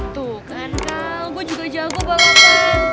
tuh kan kau gue juga jago banget